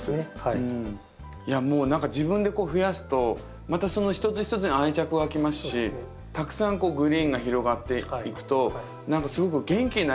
いやもう自分で増やすとまたその一つ一つに愛着わきますしたくさんグリーンが広がっていくと何かすごく元気になりますね。